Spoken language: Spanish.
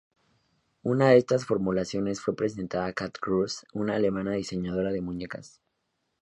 Una de estas formulaciones fue presentada a Käthe Kruse, una alemana diseñadora de muñecas.